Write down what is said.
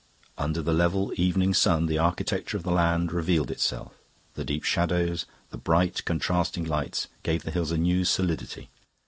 Under the level evening light the architecture of the land revealed itself. The deep shadows, the bright contrasting lights gave the hills a new solidity.